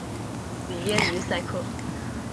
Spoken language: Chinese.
里耶于塞克。